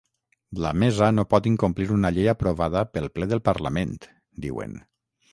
La mesa no pot incomplir una llei aprovada pel ple del parlament, diuen.